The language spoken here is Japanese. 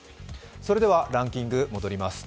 それではランキング、戻ります。